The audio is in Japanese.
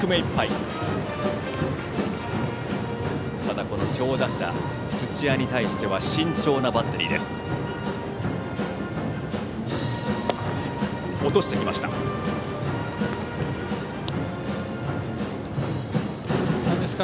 ただ強打者、土屋に対して慎重なバッテリーです。